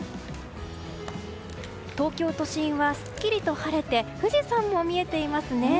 東京都心はすっきりと晴れて富士山も見ていますね。